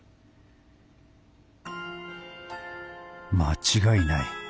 間違いない。